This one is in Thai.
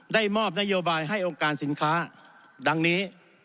ได้มอบนโยบายให้องค์การสินค้าดังนี้